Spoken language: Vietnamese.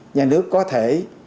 nhà nước có thể